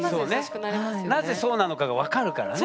なぜそうなのかが分かるからね。